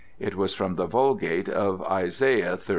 It was from the Vulgate of Isaiah xxxiv.